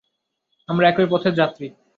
আমরা একই পথের যাত্রী।